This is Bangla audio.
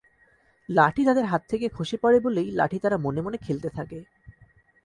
লাঠি তাদের হাত থেকে খসে পড়ে বলেই লাঠি তারা মনে মনে খেলতে থাকে।